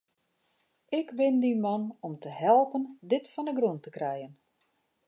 Ik bin dyn man om te helpen dit fan 'e grûn te krijen.